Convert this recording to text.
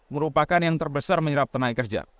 merupakan yang terbesar menyerap tenaga kerja